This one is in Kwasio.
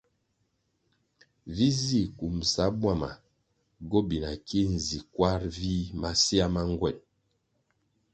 Vi zih kumbʼsa bwama gobina ki zi kwar vih masea ma ngwen.